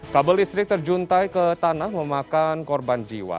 kabel listrik terjuntai ke tanah memakan korban jiwa